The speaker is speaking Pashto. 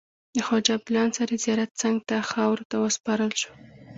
د خواجه عبدالله انصاري زیارت څنګ ته خاورو ته وسپارل شو.